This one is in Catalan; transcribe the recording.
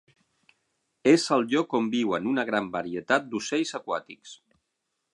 És el lloc on viuen una gran varietat d"ocells aquàtics.